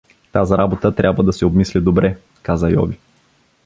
— Таз работа трябва да се обмисли добре — каза Йови.